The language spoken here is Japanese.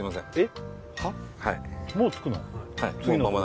えっ？